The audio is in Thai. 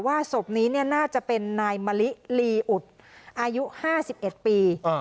ว่าศพนี้เนี่ยน่าจะเป็นนายมะลิลีอุดอายุห้าสิบเอ็ดปี